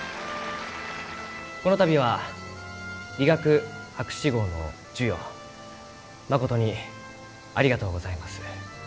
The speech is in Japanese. この度は理学博士号の授与まことにありがとうございます。